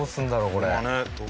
これ。